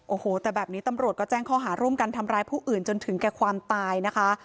โอ้โหแต่แบบนี้ตำรวจก็แจ้งข้อหาร่วมกันทำร้ายผู้อื่นจนถึงแก่ความตายนะคะ